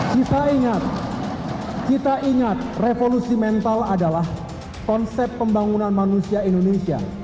kita ingat kita ingat revolusi mental adalah konsep pembangunan manusia indonesia